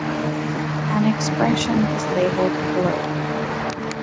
An expression is labeled colloq.